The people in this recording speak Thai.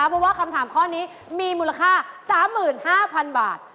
เพราะว่าคำถามข้อนี้มีมูลค่า๓๕๐๐๐บาท